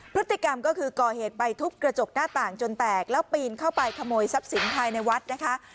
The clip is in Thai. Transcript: พฤติกรรมก็คือก่อเหตุไปทุบกระจกหน้าต่างจนแตกแล้วปีนเข้าไปขโมยทรัพย์สินภายในวัดนะคะ